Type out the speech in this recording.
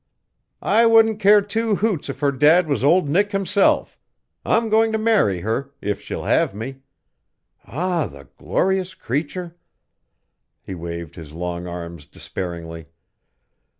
"I wouldn't care two hoots if her dad was old Nick himself. I'm going to marry her if she'll have me. Ah, the glorious creature!" He waved his long arms despairingly.